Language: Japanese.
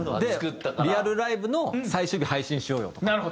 リアルライブの最終日配信しようよとか。